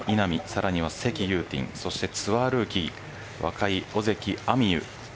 さらにはセキ・ユウティンそしてツアールーキー若い尾関彩美悠